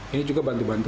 ini juga bantu bantu